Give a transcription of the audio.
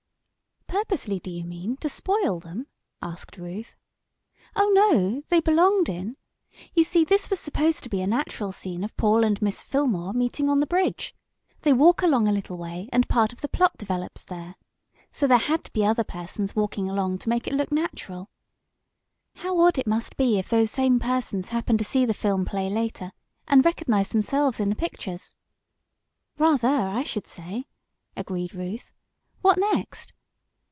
"Purposely, do you mean to spoil them?" asked Ruth. "Oh, no, they belonged in. You see this was supposed to be a natural scene of Paul and Miss Fillmore meeting on the bridge. They walk along a little way, and part of the plot develops there. So there had to be other persons walking along to make it look natural. How odd it must be if those same persons happen to see the film play later, and recognize themselves in the pictures." "Rather, I should say," agreed Ruth. "What next?"